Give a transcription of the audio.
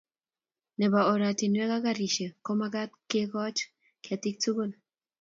Nebo oratinwek ak garisiek komagat kekoch ketik tugul